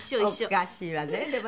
おかしいわねでも。